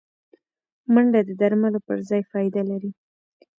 منډه د درملو پر ځای فایده لري